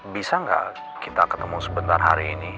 bisa nggak kita ketemu sebentar hari ini